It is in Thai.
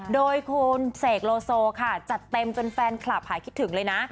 โดยคุณเสกโลโซค่ะจัดเต็มจนแฟนคลับหายคิดถึงเลยนะ